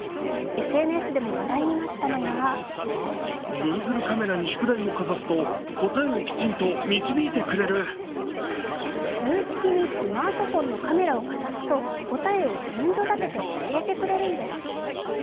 ＳＮＳでも話題になったのは数式にスマートフォンのカメラをかざすと答えを順序立てて教えてくれるんです。